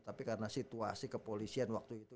tapi karena situasi kepolisian waktu itu